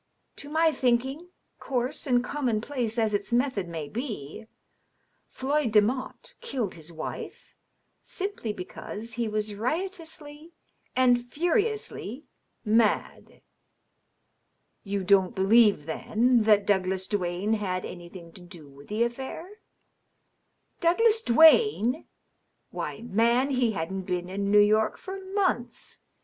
To my thinking, coarse and commonplace as its method may be, Floyd Demotte killed his wife simply because he was riotously and furiously mad." " You don't believe, then, that Douglas Duane had anything to do with the affau ?"" Douglas Duane ! Why, man, he hadn't been in New York for months.